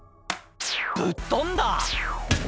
ぶっ飛んだ。